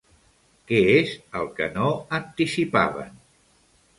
Què és el que no anticipaven?